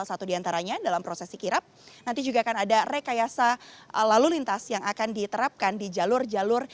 adanya dalam proses ikirap nanti juga akan ada rekayasa lalu lintas yang akan diterapkan di jalur jalur